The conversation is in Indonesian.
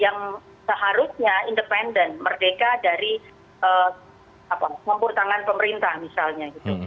yang seharusnya independen merdeka dari membutangan pemerintah misalnya gitu